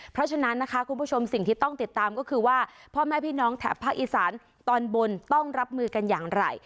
เพราะฉะนั้นนะคะคุณผู้ชมสิ่งที่ต้องติดตามก็คือว่าพ่อแม่พี่น้องแถบภาคอีสานตอนบนต้องรับมือกันอย่างไร